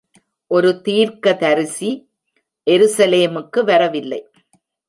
ஒரு தீர்க்கதரிசி எருசலேமுக்கு வரவில்லை.